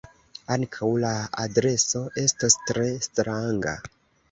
Ankaŭ la adreso estos tre stranga.